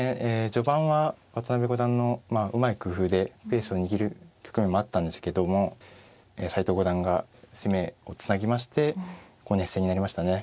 序盤は渡辺五段のうまい工夫でペースを握る局面もあったんですけども斎藤五段が攻めをつなぎまして熱戦になりましたね。